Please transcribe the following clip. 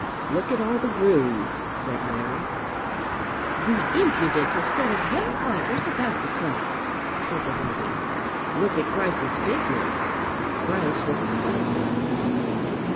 "Look at all the grooms," said Larry. "The impudentest set of young vipers about the place," said the lady. "Look at Grice's business." Grice was the saddler.